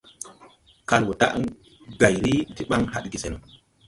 Kal wɔ daʼ gay ri ti ɓaŋ hadge se no.